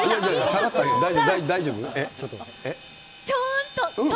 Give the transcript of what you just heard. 大丈夫？